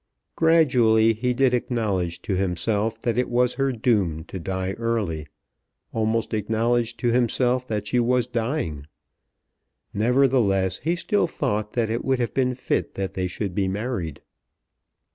Gradually he did acknowledge to himself that it was her doom to die early, almost acknowledged to himself that she was dying. Nevertheless he still thought that it would have been fit that they should be married.